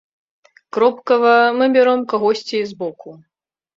Кропкава мы бяром кагосьці збоку.